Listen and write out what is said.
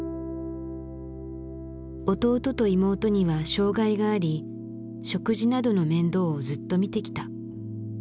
弟と妹には障害があり食事などの面倒をずっと見てきた。